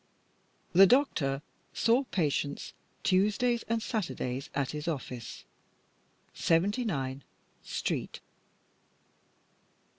The doctor saw patients Tuesdays and Saturdays at his office, 79 Street.